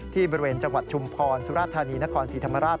บริเวณจังหวัดชุมพรสุราธานีนครศรีธรรมราช